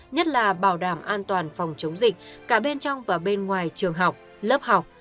nhất là bảo đảm an toàn phòng chống dịch cả bên trong và bên ngoài trường học lớp học